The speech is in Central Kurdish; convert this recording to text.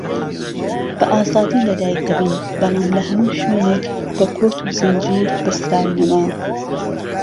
بەئازادی لەدایک دەبین بەڵام لەهەموو شوێنێک بەکۆت و زنجیر بەستراوینەوە